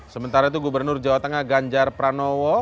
sementara itu gubernur jawa tengah ganjar pranowo kembali ke jawa tengah